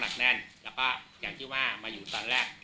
เราต้องแอบนักแน่นแล้วก็อย่างที่ว่ามาอยู่ตอนแรก